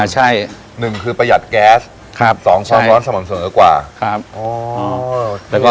หนึ่งคือประหยัดแก๊ส๒ช้อนสม่ำส่วนกว่า